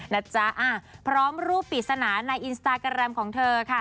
นะจ๊ะพร้อมรูปปริศนาในอินสตาแกรมของเธอค่ะ